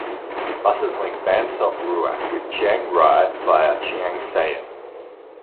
Buses link Ban Sop Ruak with Chiang Rai via Chiang Saen.